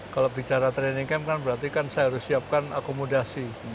kalau bicara training camp kan berarti kan saya harus siapkan akomodasi